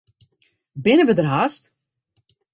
Binne wy der hast?